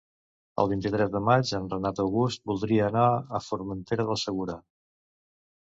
El vint-i-tres de maig en Renat August voldria anar a Formentera del Segura.